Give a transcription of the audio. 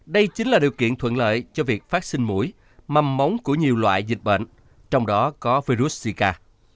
đây chính là điều kiện thuận lợi cho việc phát sinh mũi măng móng của nhiều loại dịch bệnh trong đó có virus sika